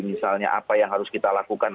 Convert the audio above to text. misalnya apa yang harus kita lakukan